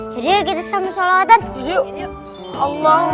jadinya kita sambil sholat